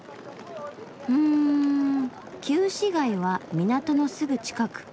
うん旧市街は港のすぐ近く。